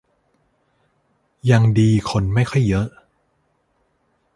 ยังดีคนไม่ค่อยเยอะ